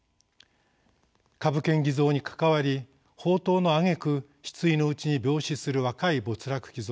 株券偽造に関わり放とうのあげく失意のうちに病死する若い没落貴族。